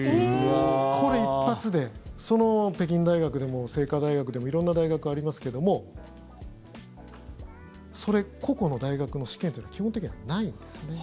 これ一発で北京大学でも精華大学でも色んな大学がありますけども個々の大学の試験というのは基本的にはないんですよね。